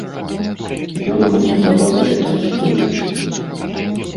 Ён мне даваў чытаць той ліст.